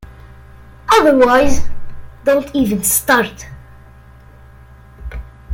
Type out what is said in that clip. Otherwise, don't even start.